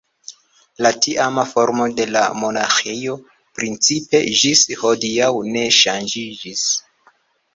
La tiama formo de la monaĥejo principe ĝis hodiaŭ ne ŝanĝiĝis.